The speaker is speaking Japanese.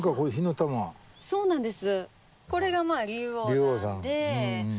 そうなんです。